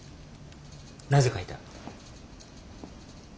なぜかいた？